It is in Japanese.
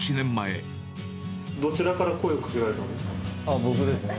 どちらから声をかけられたん僕ですね。